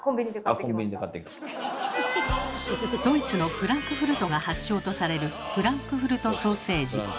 ドイツのフランクフルトが発祥とされるフランクフルトソーセージ。